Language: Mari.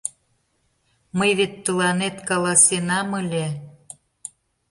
— Мый вет тыланет каласенам ыле...